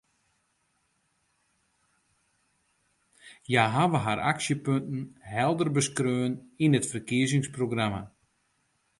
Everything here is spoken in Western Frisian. Hja hawwe har aksjepunten helder beskreaun yn it ferkiezingsprogramma.